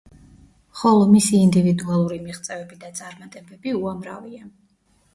ხოლო მისი ინდივიდუალური მიღწევები და წარმატებები, უამრავია.